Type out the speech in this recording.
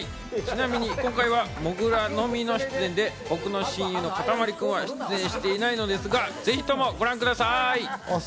ちなみに今回はもぐらのみの出演で、僕の親友のかたまり君は出演していないのですが、ぜひともご覧ください。